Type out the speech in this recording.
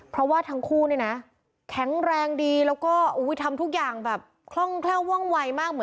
เพราะว่าทั้งคู่แข็งแรงดีแล้วก็ทำทุกอย่างแค่ว่างไวมาก